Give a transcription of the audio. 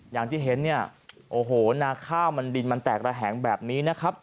อย่างที่เห็นนางข้าวมันดินแตกระแหงแบบนี้นะครับ